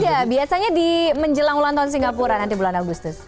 iya biasanya di menjelang ulang tahun singapura nanti bulan agustus